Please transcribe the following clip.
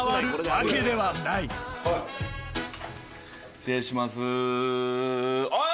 失礼します。